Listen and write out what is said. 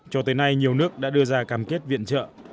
cho tới nay nhiều nước đã đưa ra cam kết viện trợ